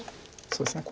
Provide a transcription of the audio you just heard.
そうですね